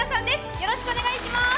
よろしくお願いします。